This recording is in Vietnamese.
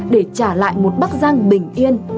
để trả lại một bắc giang bình yên